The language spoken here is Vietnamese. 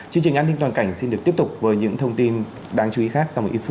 chương trình an ninh toàn cảnh xin được tiếp tục với những thông tin đáng chú ý khác sau một ít phút